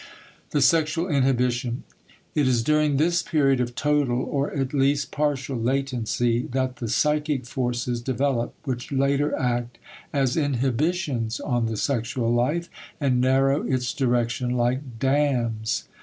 *The Sexual Inhibition.* It is during this period of total or at least partial latency that the psychic forces develop which later act as inhibitions on the sexual life, and narrow its direction like dams.